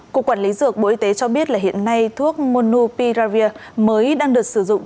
cục quản lý dược bộ y tế cho biết hiện nay thuốc monopulvera mới đang được sử dụng